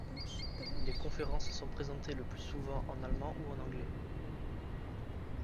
Les conférences sont présentées le plus souvent en allemand ou en anglais.